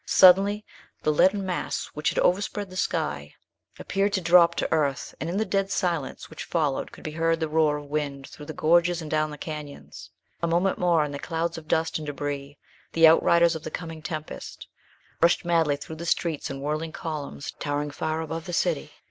Suddenly the leaden mass which had overspread the sky appeared to drop to earth, and in the dead silence which followed could be heard the roar of the wind through the gorges and down the canyons. A moment more, and clouds of dust and débris, the outriders of the coming tempest, rushed madly through the streets in whirling columns towering far above the city.